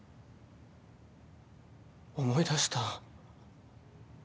思い出した。